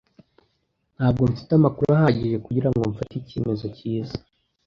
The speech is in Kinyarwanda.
Ntabwo mfite amakuru ahagije kugirango mfate icyemezo cyiza.